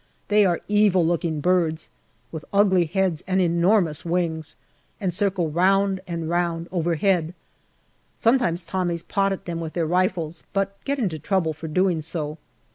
They are evil looking birds, with ugly heads and enormous wings, and circle round and round overhead. Sometimes Tommies pot at them with their rifles, but get into trouble for doing so.